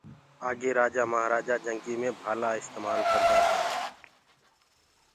آگي رآجآ مآهرآجآ جنگيٚ مي ڀآلآ استمآل ڪردآ تآ۔